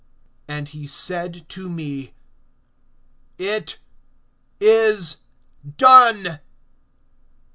(6)And he said to me: It is done.